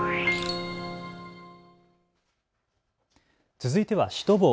続いてはシュトボー。